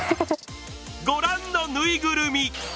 ご覧の縫いぐるみ！